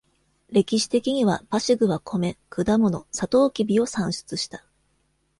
歴史的にはパシグは米、果物、サトウキビを産出した。